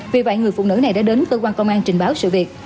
vì vậy người phụ nữ này đã đến cơ quan công an trình báo sự việc